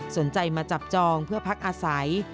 สนใจมาจับจองเพื่อพักอาศัย